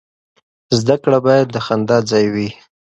زده کړه باید د خندا ځای وي.